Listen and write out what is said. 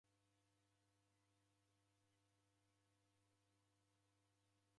Nadungwa ni mnjwa